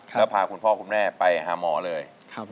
แล้วพาคุณพ่อคุณแม่ไปหาหมอเลย